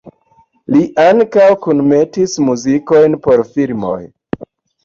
Li ankaŭ kunmetis muzikojn por filmoj.